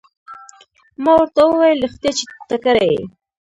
ما ورته وویل رښتیا چې تکړه یې.